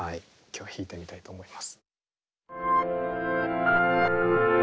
今日弾いてみたいと思います。